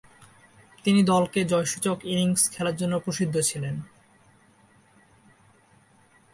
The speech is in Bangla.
তিনি দলকে জয়সূচক ইনিংস খেলার জন্য প্রসিদ্ধ ছিলেন।